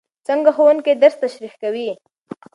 څنګه ښوونکی درس تشریح کوي؟